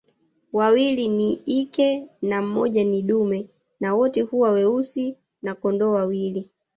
Wawili ni ike na mmoja ni dume na wote huwa weusi na kondoo wawili